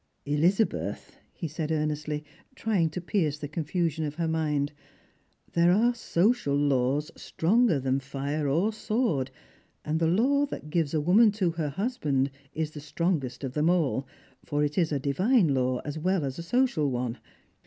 " Elizabeth," he said earnestly, trying to pierce the confusion of her mind, " there are social laws stronger than fire or sword, and the law that gives a woman to her husband is the strongest of them all, for it is a divine law as well as a social one.